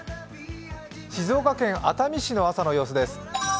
静岡県熱海市の朝の様子です。